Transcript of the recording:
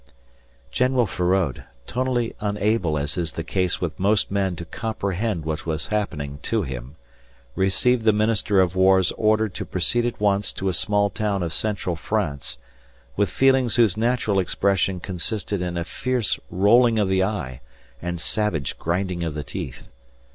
General Feraud, totally unable as is the case with most men to comprehend what was happening to him, received the Minister of War's order to proceed at once to a small town of Central France with feelings whose natural expression consisted in a fierce rolling of the eye and savage grinding of the teeth.